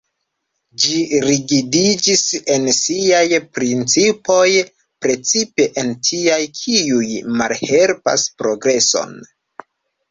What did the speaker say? Ĝi rigidiĝis en siaj principoj, precipe en tiaj kiuj malhelpas progreson.